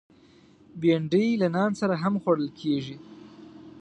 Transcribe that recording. بېنډۍ له نان سره هم خوړل کېږي